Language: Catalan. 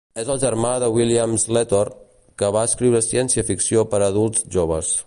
És el germà de William Sleator, que va escriure ciència ficció per a adults joves.